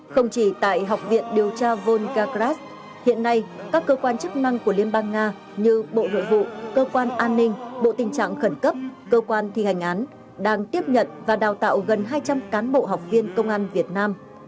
không chỉ tại học viện điều tra volgakras hiện nay các cơ quan chức năng của liên bang nga như bộ nội vụ cơ quan an ninh bộ tình trạng khẩn cấp cơ quan thi hành án đang tiếp nhận và đào tạo gần hai trăm linh cán bộ học viên công an việt nam